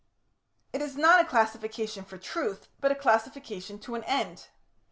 It is not a classification for Truth, but a classification to an end.